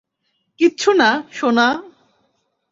কিচ্ছু না, সোনা।